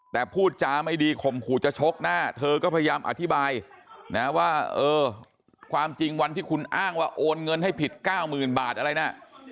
แต่พูดจาไม่ดีข่มขู่จะชกหน้าเธอก็พยายามอธิบายนะว่าเออความจริงวันที่คุณอ้างว่าโอนเงินให้ผิด๙๐๐๐บาทอะไรนะ